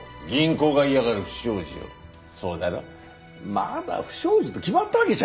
まだ不祥事と決まったわけじゃ。